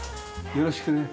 よろしくね。